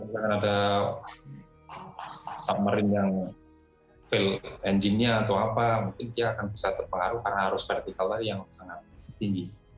dengan ada summerin yang fail engine nya atau apa mungkin dia akan bisa terpengaruh karena arus vertikal yang sangat tinggi